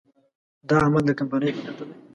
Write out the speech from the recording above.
دا عمل د کمپنۍ په ګټه دی.